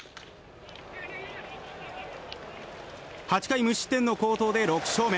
８回無失点の好投で６勝目。